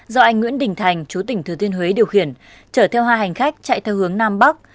do anh nguyễn đình thành chú tỉnh thừa thiên huế điều khiển chở theo hai hành khách chạy theo hướng nam bắc